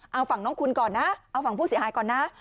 เอาฝั่งน้องคุณก่อนนะเอาฝั่งผู้เสียหายก่อนนะ